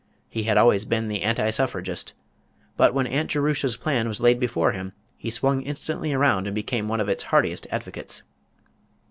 He had always been an anti suffragist, but when Aunt Jerusha's plan was laid before him he swung instantly around and became one of its heartiest advocates.